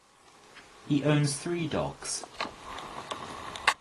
He owns three dogs.